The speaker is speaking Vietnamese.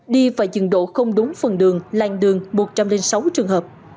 đi và dừng độ không đúng phần đường lành đường một trăm linh sáu trường hợp